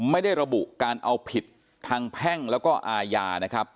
ไม่ได้ระบุการเอาผิดทางแพ่งแล้วก็อาญานะครับ